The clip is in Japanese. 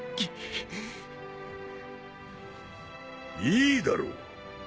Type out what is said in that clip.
いいだろう。